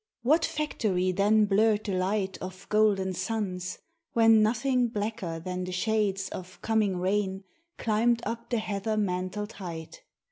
What factory then blurred the light Of golden suns, when nothing blacker than the shades Of coming rain climbed up the heather mantled height?